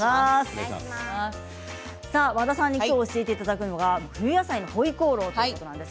和田さんに今日、教えていただくのは冬野菜のホイコーローです。